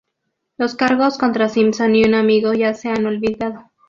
Los cargos contra Simpson y un amigo ya se han olvidado.